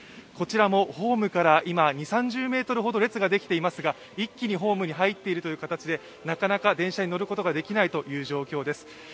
こちらもホームから今、２０３０ｍほど列ができていますが一気にホームに入っているという形でなかなか電車に乗ることができないという状況です。